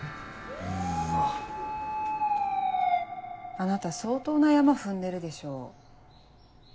あなた相当なヤマ踏んでるでしょ。